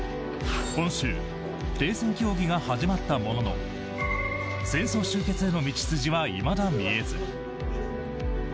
今週、停戦協議が始まったものの戦争終結への道筋はいまだ見えず。